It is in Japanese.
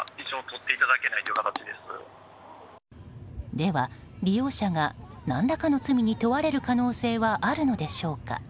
では、利用者が何らかの罪に問われる可能性はあるのでしょうか。